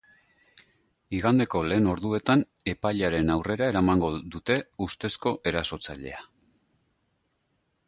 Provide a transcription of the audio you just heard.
Igandeko lehen orduetan epailearen aurrera eramango dute ustezko erasotzailea.